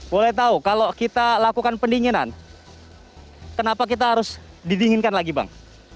boleh tahu kalau kita lakukan pendinginan kenapa kita harus didinginkan lagi bang